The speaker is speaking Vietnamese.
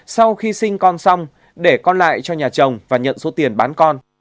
sau khi sinh con xong để con lại cho nhà chồng và nhận số tiền bán con